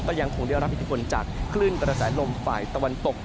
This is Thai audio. ยังคงได้รับอิทธิพลจากคลื่นกระแสลมฝ่ายตะวันตก